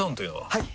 はい！